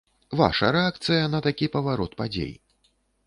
Ваша рэакцыя на такі паварот падзей?